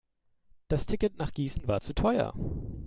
Das Ticket nach Gießen war zu teuer